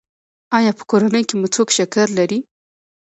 ایا په کورنۍ کې مو څوک شکر لري؟